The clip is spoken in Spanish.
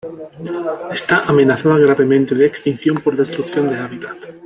Está amenazada gravemente de extinción por destrucción de hábitat.